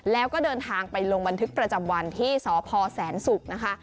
แล้วก็เดินทางไปลงบันทึกประจำวันที่สพแสนศุกร์นะคะ